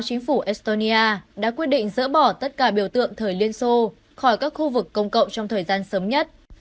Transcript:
chính phủ estonia đã quyết định dỡ bỏ tất cả biểu tượng thời liên xô khỏi các khu vực công cộng trong thời gian sớm nhất